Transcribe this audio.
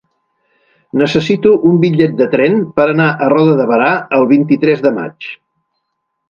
Necessito un bitllet de tren per anar a Roda de Berà el vint-i-tres de maig.